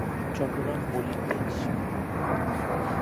চট্টগ্রাম বলির দেশ।